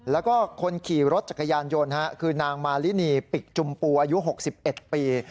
แล้วก็คนขี่รถจักรยานยนต์คือนางมาลินีปิกจุมปูอายุ๖๑ปี